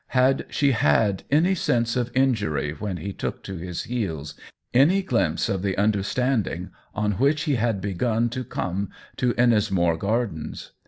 Had she had any sense of injury when he took to his heels, any glimpse of the understanding on which he had begun to come to Ennismore Gardens